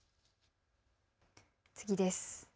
次です。